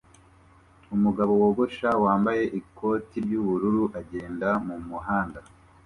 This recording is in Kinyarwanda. Umugabo wogosha wambaye ikoti ry'ubururu agenda mumuhanda